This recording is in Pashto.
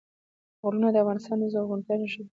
غرونه د افغانستان د زرغونتیا نښه ده.